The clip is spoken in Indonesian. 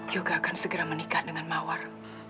juga akan segera menikah dengan mawar